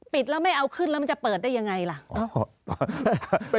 แล้วไม่เอาขึ้นแล้วมันจะเปิดได้ยังไงล่ะ